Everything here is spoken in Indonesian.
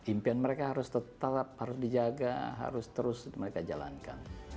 impian mereka harus tetap harus dijaga harus terus mereka jalankan